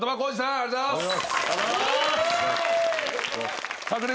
ありがとうございます。